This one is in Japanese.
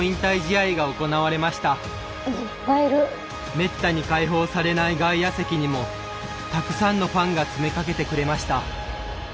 めったに開放されない外野席にもたくさんのファンが詰めかけてくれました。